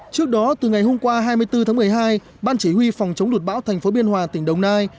trước đó từ ngày hôm qua hai mươi bốn tháng một mươi hai ban chỉ huy phòng chống đột bão thành phố biên hòa tỉnh đồng nai